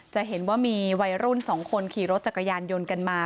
จะเห็นว่ามีวัยรุ่น๒คนขี่รถจักรยานยนต์กันมา